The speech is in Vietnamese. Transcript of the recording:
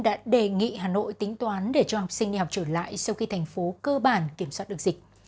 đã đề nghị hà nội tính toán để cho học sinh đi học trở lại sau khi thành phố cơ bản kiểm soát được dịch